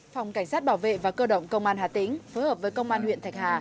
phòng cảnh sát bảo vệ và cơ động công an hà tĩnh phối hợp với công an huyện thạch hà